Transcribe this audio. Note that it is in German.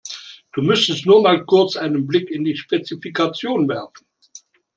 Du müsstest nur mal kurz einen Blick in die Spezifikation werfen.